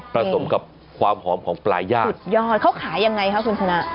ประสงค์กับความหอมของปลายย่างสุดยอดเขาขายยังไงครับคุณพนัก